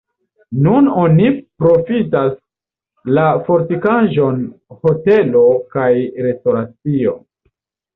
Nun oni profitas la fortikaĵon hotelo kaj restoracio.